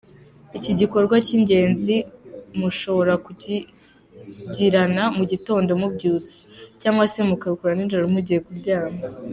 Iki gikorwa cy’ingenzi mushobora kukigirana mugitondo mubyutse, cyangwa se mukabikora nijoro mugiye kuryama.